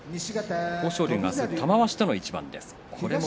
豊昇龍、明日は玉鷲との一番です。